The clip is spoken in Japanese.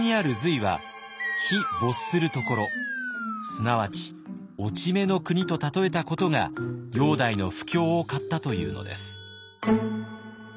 すなわち落ち目の国と例えたことが煬帝の不興を買ったというのです。